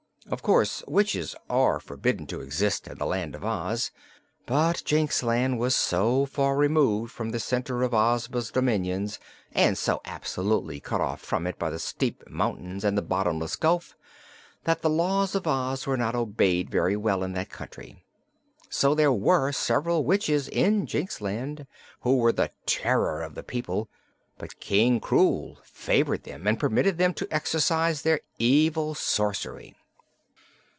Of course witches are forbidden to exist in the Land of Oz, but Jinxland was so far removed from the center of Ozma's dominions, and so absolutely cut off from it by the steep mountains and the bottomless gulf, that the laws of Oz were not obeyed very well in that country. So there were several witches in Jinxland who were the terror of the people, but King Krewl favored them and permitted them to exercise their evil sorcery.